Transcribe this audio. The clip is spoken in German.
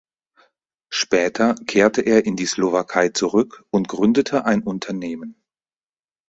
Später kehrte er in die Slowakei zurück und gründete ein Unternehmen.